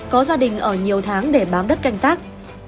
có gia đình ở nhiều tháng để bám đất canh tác